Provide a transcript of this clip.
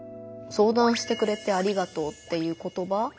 「相談してくれてありがとう」っていう言葉。